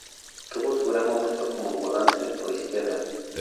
Tuvo su gran momento como volante por izquierda.